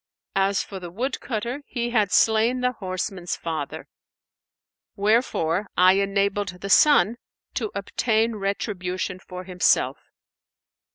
As for the woodcutter, he had slain the horseman's father, wherefore I enabled the son to obtain retribution for himself."